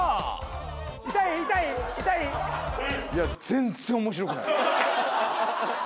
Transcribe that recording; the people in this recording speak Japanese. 全然面白くない。